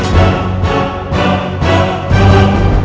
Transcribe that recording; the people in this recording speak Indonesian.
hey jangan kabur lu